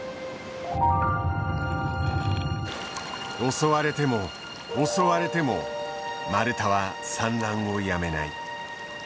襲われても襲われてもマルタは産卵をやめない。